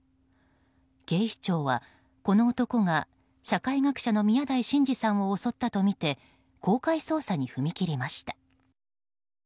警視庁は、この男が社会学者の宮台真司さんを襲ったとみて公開捜査に踏み切りました。